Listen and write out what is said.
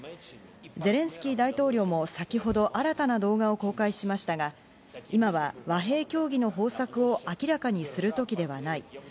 ゼレンスキー大統領も先ほど新たな動画を公開しましたが、今は和平協議の方策を明らかにする時ではない。